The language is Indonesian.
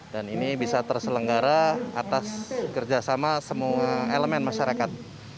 dan ini bisa terselenggara atas kerjasama semua elemen masyarakat